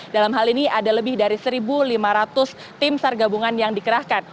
dalam hal ini ada lebih dari satu lima ratus tim sar gabungan yang dikerahkan